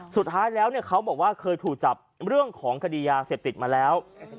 สุดท้ายแล้วเขาบอกว่าเคยถูกจับเรื่องของคดียาเสพติดมาแล้ว